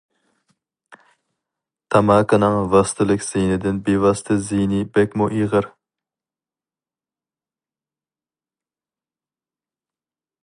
تاماكىنىڭ ۋاسىتىلىك زىيىنىدىن بىۋاسىتە زىيىنى بەكمۇ ئېغىر.